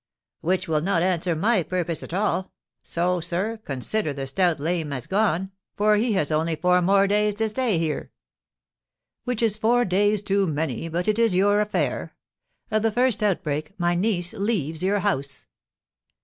"Which will not answer my purpose at all; so, sir, consider the stout lame man as gone, for he has only four more days to stay here." "Which is four days too many; but it is your affair. At the first outbreak, my niece leaves your house."